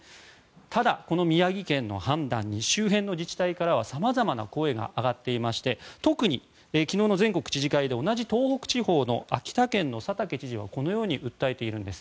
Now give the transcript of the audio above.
ただ、この宮城県の判断に周辺の自治体からは様々な声が上がっていまして特に、昨日の全国知事会で同じ東北地方の秋田県の佐竹知事はこのように訴えているんです。